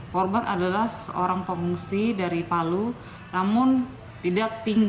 korban adalah seorang pengungsi dari palu namun tidak tinggal di tempat pengungsian resmi yang disediakan oleh pemerintah